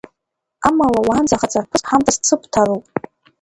Амала уаанӡа хаҵарԥыск ҳамҭас дсыбҭароуп.